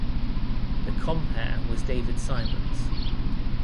The compere was David Symonds.